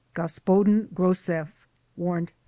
Gospodin Grozeflf (Warrant No.